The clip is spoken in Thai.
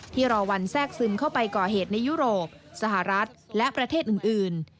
รอวันแทรกซึมเข้าไปก่อเหตุในยุโรปสหรัฐและประเทศอื่น